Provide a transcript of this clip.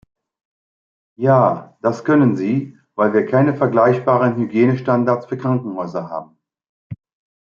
Ja, das können sie, weil wir keine vergleichbaren Hygienestandards für Krankenhäuser haben.